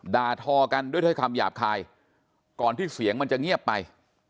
ด่าทอกันด้วยถ้อยคำหยาบคายก่อนที่เสียงมันจะเงียบไป